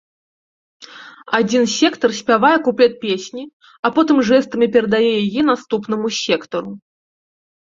Адзін сектар спявае куплет песні, а потым жэстамі перадае яе наступнаму сектару.